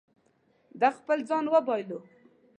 ده خپل ځان وبایلو.